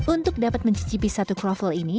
untuk dapat mencicipi satu kroffel ini